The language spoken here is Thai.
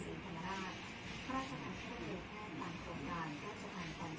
หนึ่งในเป้าหมายของโครงการเกิดได้พ่อราชาชนิดหนึ่งและถึงพ่อราชาชนิดหนึ่ง